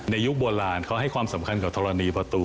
ยุคโบราณเขาให้ความสำคัญกับธรณีประตู